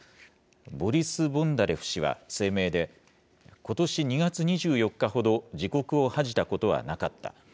ボリス・ボンダレフ氏は声明で、ことし２月２４日ほど自国を恥じたことはなかった。